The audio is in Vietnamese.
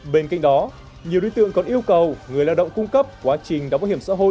bên cạnh đó nhiều đối tượng còn yêu cầu người lao động cung cấp quá trình đóng bảo hiểm xã hội